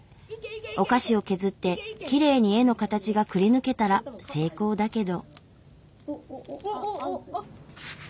お菓子を削ってきれいに絵の形がくりぬけたら成功だけど。